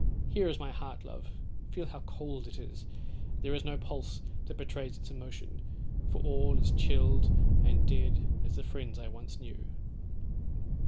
Here is my heart, love, feel how cold it is; there is no pulse that betrays its emotion; for all is chilled and dead as the friends I once knew.'